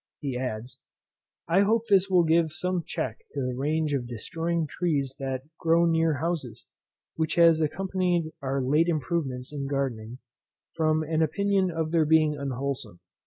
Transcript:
He adds, "I hope this will give some check to the rage of destroying trees that grow near houses, which has accompanied our late improvements in gardening, from an opinion of their being unwholesome.